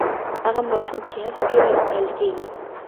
هغه ماشوم چي هڅه کوي ستایل کېږي.